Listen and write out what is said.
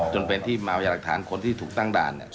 จนเป็นที่มาวัยลักษณ์คนที่ถูกตั้งด่านนี่